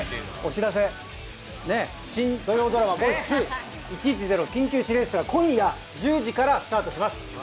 新土曜ドラマ『ボイス２１１０緊急指令室』、今夜１０時からスタートします。